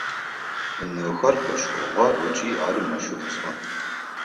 Ынэхэр фэшӏыгъэ ыкӏи ар мэщхыпцӏы.